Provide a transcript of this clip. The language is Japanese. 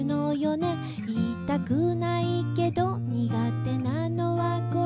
「言いたくないけど」「苦手なのはこれ」